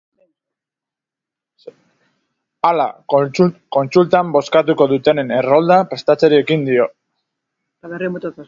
Hala, kontsultan bozkatuko dutenen errolda prestatzeari ekin dio.